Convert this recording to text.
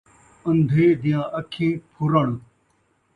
ان٘دھے دیاں اکھیں پھُرݨ